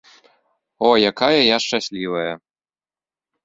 О, якая я шчаслівая!